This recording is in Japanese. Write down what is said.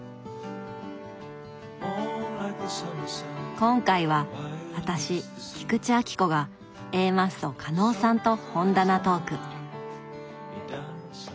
今回は私菊池亜希子がＡマッソ・加納さんと本棚トーク。